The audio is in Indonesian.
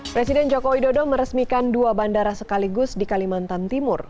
presiden joko widodo meresmikan dua bandara sekaligus di kalimantan timur